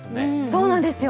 そうなんですよ